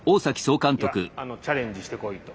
いやチャレンジしてこいと。